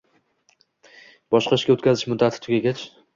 Boshqa ishga o‘tkazish muddati tugagach